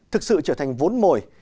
thực sự trở thành vốn mồi